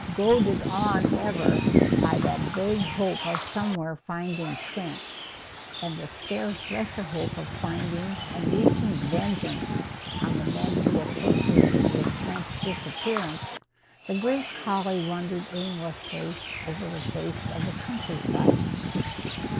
Goaded on ever by that vague hope of somewhere finding Trent, and the scarce lesser hope of finding and wreaking vengeance on the men he associated with Trent's disappearance, the great collie wandered aimlessly over the face of the countryside.